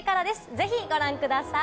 ぜひご覧ください。